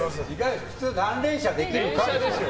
普通は何連射できるかでしょ。